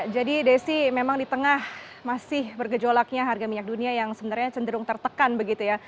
jadi desi memang di tengah masih bergejolaknya harga minyak dunia yang sebenarnya cenderung tertekan begitu ya